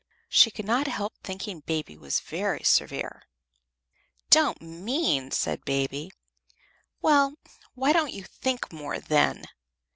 She could not help thinking Baby was very severe. "Don't mean!" said Baby. "Well, why don't you think more, then?